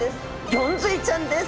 ゴンズイちゃんです。